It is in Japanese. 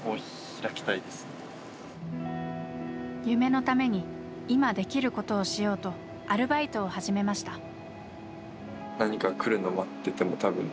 夢のために今できることをしようとアルバイトを始めました。